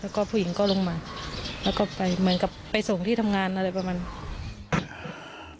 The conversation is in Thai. แล้วก็ผู้หญิงก็ลงมาแล้วมันก็ไปส่งที่ทำงานอะไรประมาณนี้